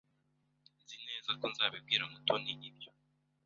Nzi neza ko nzabibwira Mutoni ibyo.